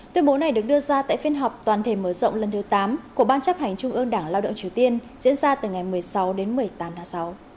tuyên bố này được đưa ra tại phiên họp toàn thể mở rộng lần thứ tám của ban chấp hành trung ương đảng lao động triều tiên diễn ra từ ngày một mươi sáu đến một mươi tám tháng sáu